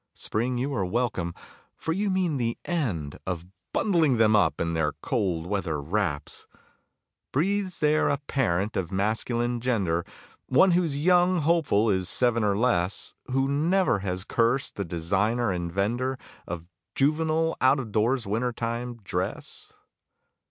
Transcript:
Spring, you are welcome, for you mean the end of Bundling them up in their cold weather wraps. Breathes there a parent of masculine gender, One whose young hopeful is seven or less, Who never has cursed the designer and vender Of juvenile out of doors winter time dress?